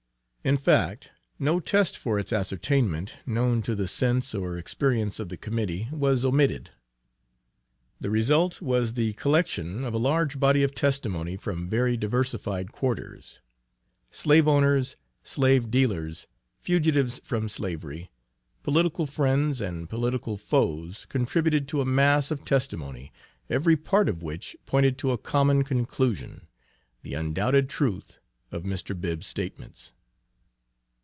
In fact no test for its ascertainment, known to the sense or experience of the Committee, was omitted. The result was the collection of a large body of testimony from very diversified quarters. Slave owners, slave dealers, fugitives from slavery, political friends and political foes contributed to a mass of testimony, every part of which pointed to a common conclusion the undoubted truth of Mr. Bibb's statements.